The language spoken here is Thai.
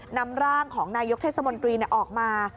นำร่างของนายกเทศมนตรีออกมา